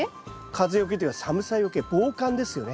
風よけっていうか寒さよけ防寒ですよね。